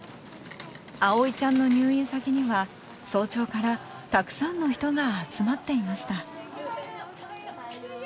葵ちゃんの入院先には早朝からたくさんの人が集まっていました。